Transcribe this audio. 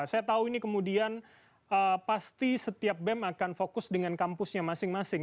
saya tahu ini kemudian pasti setiap bem akan fokus dengan kampusnya masing masing